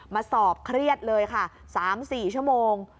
มาสอบเครียดเลยค่ะ๓๔ชั่วโมง